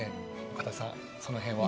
岡田さん、その辺は。